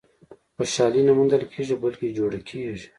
• خوشالي نه موندل کېږي، بلکې جوړه کېږي.